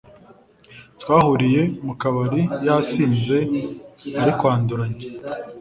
Twahuriye mukabari yasinze arikwanduranya